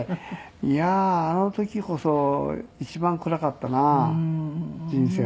いやあの時こそ一番暗かったな人生の中で。